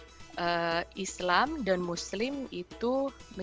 jadi hal hal seperti ini memang menjadikan citra islam dan muslim